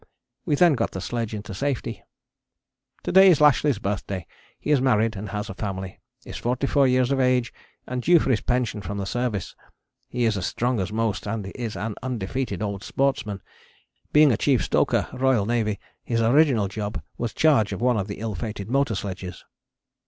We then got the sledge into safety. To day is Lashly's birthday; he is married and has a family; is 44 years of age, and due for his pension from the service. He is as strong as most and is an undefeated old sportsman. Being a chief stoker, R.N., his original job was charge of one of the ill fated motor sledges.